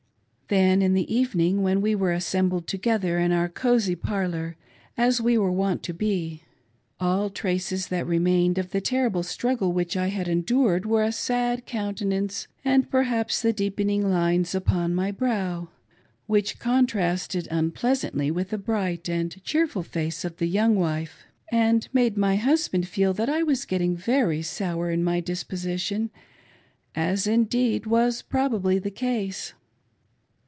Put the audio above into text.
Then, in the evening, when we were assembled together in our cosy parlor, as we were wont to be, all traces that remained of the terrible struggle which I had endured were a sad coun tenance and perhaps the deepening lines upon my brow, which contrasted unpleasantly with the bright and cheerful face of the young wife, and made my husband feel that I was getting very sour in my disposition, as, indeed, was probably the case.